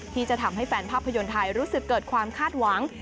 ที่จะทำให้แฟนภาพยนตร์ไทยรู้สึกเกิดความคาดหวัง